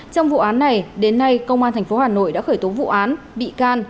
trong vụ án này đến nay công an tp hà nội đã khởi tố vụ án bị can